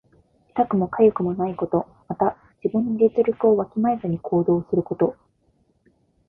痛くもかゆくもないこと。また、自分の実力をわきまえずに行動すること。